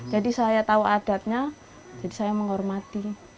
jadi saya tahu adatnya jadi saya menghormati